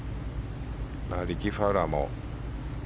リッキー・ファウラーも。